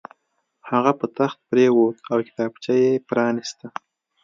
هغه په تخت پرېوت او کتابچه یې پرانیسته